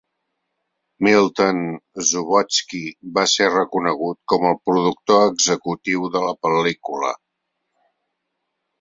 Milton Subotsky va ser reconegut com el productor executiu de la pel·lícula.